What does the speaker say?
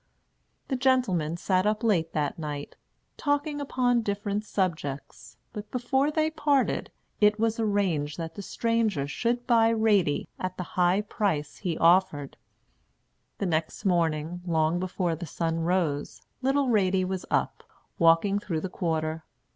The gentlemen sat up late that night, talking upon different subjects; but, before they parted, it was arranged that the stranger should buy Ratie at the high price he offered. The next morning, long before the sun rose, little Ratie was up, walking through the quarter.